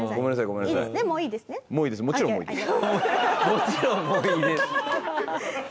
「もちろんもういいです」。